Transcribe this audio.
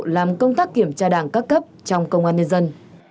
làm công tác kiểm tra đảng các cấp trong công an nhân dân